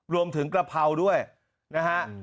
รวมถึงกะเพราด้วยนะฮะ